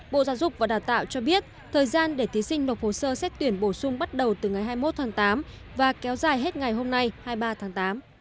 bộ giáo dục và đào tạo cho biết thời gian để thí sinh nộp hồ sơ xét tuyển bổ sung bắt đầu từ ngày hai mươi một tháng tám và kéo dài hết ngày hôm nay hai mươi ba tháng tám